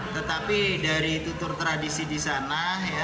tetapi dari tutur tradisi di sana